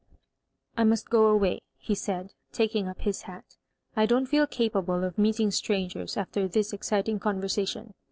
*' I must go away,'* he said, takuig up his hat " I don't feel capable of meeting strangers after this exciting conversation.